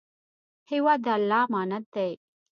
هېواد د الله امانت دی.